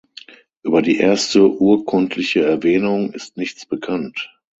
Über die erste urkundliche Erwähnung ist nichts bekannt.